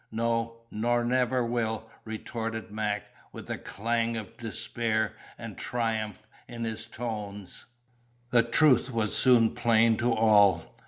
"No, nor never will!" retorted Mac, with a clang of despair and triumph in his tones. The truth was soon plain to all.